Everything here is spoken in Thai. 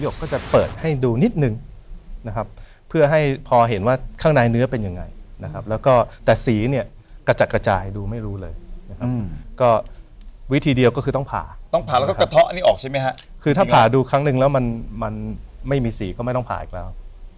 คือถ้าผ่าดูครั้งนึงแล้วมันไม่มีสีก็ไม่ต้องผ่าอีกแล้ว